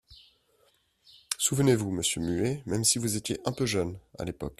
Souvenez-vous, monsieur Muet, même si vous étiez un peu jeune, à l’époque.